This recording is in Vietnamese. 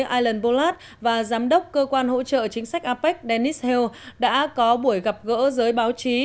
alan bullard và giám đốc cơ quan hỗ trợ chính sách apec dennis hill đã có buổi gặp gỡ giới báo chí